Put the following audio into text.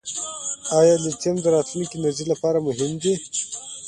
آیا لیتیم د راتلونکي انرژۍ لپاره مهم دی؟